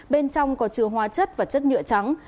bên trong có chứa hóa chất và chất nhựa trắng